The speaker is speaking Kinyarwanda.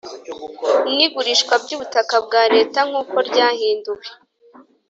n igurishwa by ubutaka bwa Leta nk uko ryahinduwe